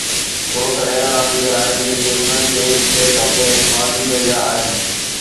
ڇو ته اهڙا رانديگر آهن جيڪي انهن کي بيڪ اپ ۾ ماضي ۾ ويا آهن